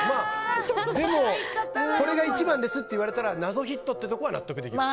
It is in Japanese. でも、これが一番ですって言われたら謎ヒットってところは納得できる。